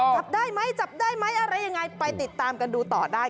จับได้ไหมจับได้ไหมอะไรยังไงไปติดตามกันดูต่อได้